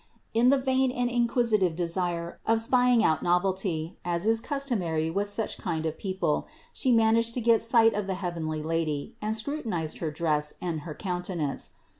In the vain and inquisitive desire of spying out novelty, as is customary with such kind of people, she managed to get sight of the heavenly Lady and scrutinized her dress and her countenance.